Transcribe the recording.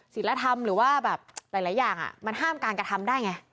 ศิลธรรมหรือว่าแบบหลายอย่างมันห้ามการกระทำได้ไง